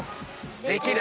できる。